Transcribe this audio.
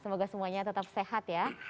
semoga semuanya tetap sehat ya